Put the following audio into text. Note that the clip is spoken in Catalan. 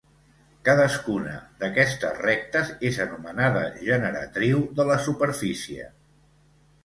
Cadascuna d'aquestes rectes és anomenada generatriu de la superfície.